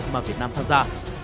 mà việt nam tham gia